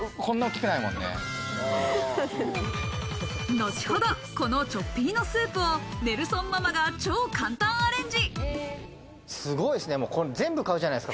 後ほど、このチョッピーノスープをネルソンママが超簡単アレンジ。